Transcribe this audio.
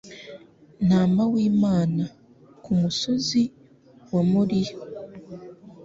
Ntama w'Imana.'' Ku musozi wa Moriya,